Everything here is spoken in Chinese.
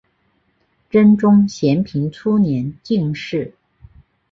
真宗咸平初年进士。